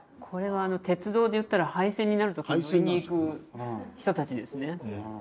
これは鉄道で言ったら廃線になる時に乗りに行く人たちですね。